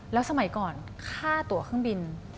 แล้วสมัยก่อนค่าตัวเครื่องบิน